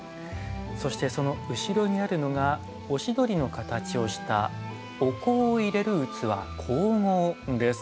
そしてその後ろにあるのがオシドリの形をしたお香を入れる器香合です。